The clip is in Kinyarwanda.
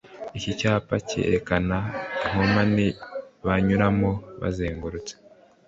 Iki cyapa cyerekana inkomane banyuramo bazengurutse